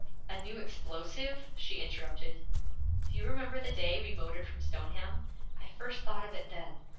'A new explosive?' she interrupted. 'Do you remember the day we motored from Stoneham? I first thought of it then.